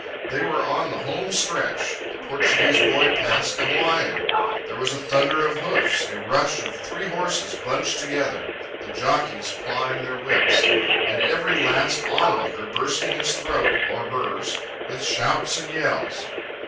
They were on the home stretch. The Portuguese boy passed the Hawaiian. There was a thunder of hoofs, a rush of the three horses bunched together, the jockeys plying their whips, and every last onlooker bursting his throat, or hers, with shouts and yells.